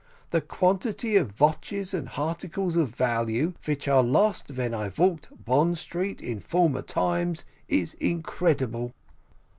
The quantity of vatches and harticles of value vich were lost ven I valked Bond Street in former times is incredible."